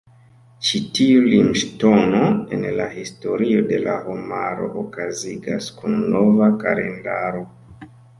Ĉi tiu limŝtono en la historio de la homaro okazigas kun nova kalendaro.